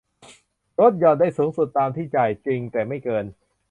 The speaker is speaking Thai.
ลดหย่อนได้สูงสุดตามที่จ่ายจริงแต่ไม่เกิน